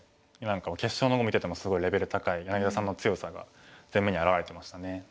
何か決勝の碁見ててもすごいレベル高い柳田さんの強さが全面に表れてましたね。